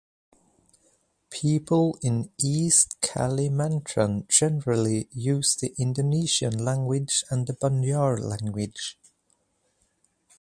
People in East Kalimantan generally use the Indonesian language and the Banjar language.